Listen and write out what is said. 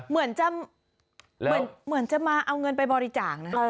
เหมือนจะเหมือนจะมาเอาเงินไปบริจาคนะ